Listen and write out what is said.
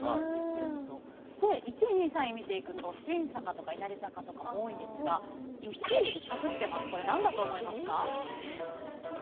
で１位２位３位見ていくと「新坂」とか「稲荷坂」とかも多いんですが１位隠してます。